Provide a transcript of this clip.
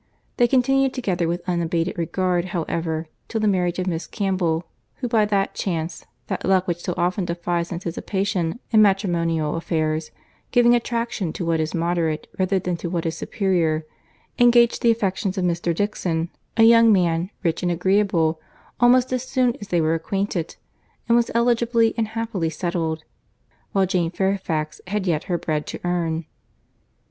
They continued together with unabated regard however, till the marriage of Miss Campbell, who by that chance, that luck which so often defies anticipation in matrimonial affairs, giving attraction to what is moderate rather than to what is superior, engaged the affections of Mr. Dixon, a young man, rich and agreeable, almost as soon as they were acquainted; and was eligibly and happily settled, while Jane Fairfax had yet her bread to earn.